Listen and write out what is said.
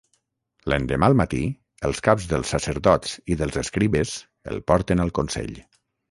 L'endemà al matí els caps dels sacerdots i dels escribes el porten al consell.